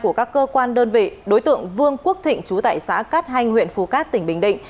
các cơ quan đơn vị đối tượng vương quốc thịnh trú tại xã cát hanh huyện phù cát tỉnh bình định